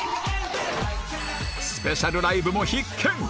スペシャルライブも必見！